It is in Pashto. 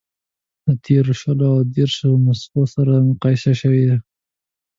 له تېرو شلو او دېرشو نسخو سره مقایسه شوې ده.